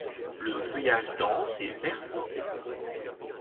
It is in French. Le feuillage dense est vert foncé.